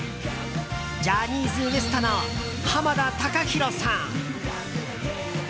ジャニーズＷＥＳＴの濱田崇裕さん。